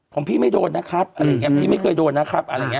ของพี่ไม่โดนนะครับพี่ไม่เคยโดนนะครับ